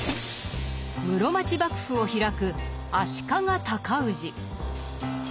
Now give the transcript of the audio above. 室町幕府を開く足利尊氏。